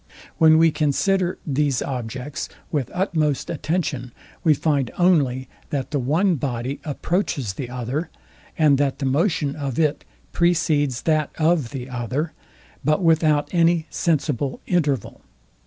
When we consider these objects with utmost attention, we find only that the one body approaches the other; and that the motion of it precedes that of the other, but without any, sensible interval.